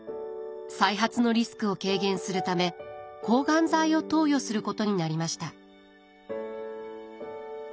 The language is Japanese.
再発のリスクを軽減するため抗がん剤を投与することになりました。